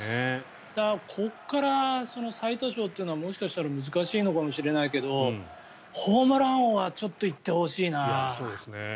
ここから最多勝っていうのはもしかしたら難しいのかもしれないけれどホームラン王はちょっと行ってほしいな。